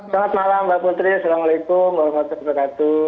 selamat malam mbak putri assalamualaikum warahmatullahi wabarakatuh